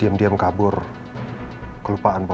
medik mccarthy di rumah r tibet